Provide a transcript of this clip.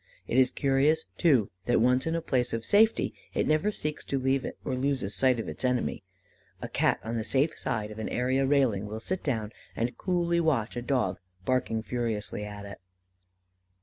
It is curious, too, that once in a place of safety, it never seeks to leave it, or loses sight of its enemy. A Cat on the safe side of an area railing will sit down and coolly watch a dog barking furiously at it.